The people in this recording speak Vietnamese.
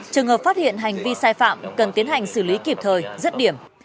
trường hợp phát hiện hành vi sai phạm cần tiến hành xử lý kịp thời rất điểm